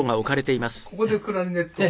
「ここでクラリネットを？」